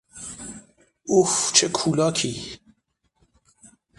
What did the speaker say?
اوف، چه کولاکی!